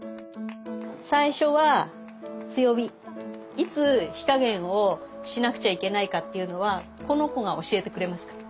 いつ火加減をしなくちゃいけないかっていうのはこの子が教えてくれますから。